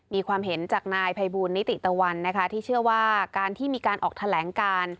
มีความเห็นจากนายภัยบูลนิติตะวันนะคะที่เชื่อว่าการที่มีการออกแถลงการ